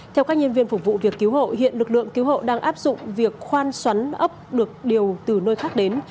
theo các nhân viên phục vụ việc cứu hộ hiện lực lượng cứu hộ đang áp dụng việc khoan xoắn ấp được điều từ nơi khác đến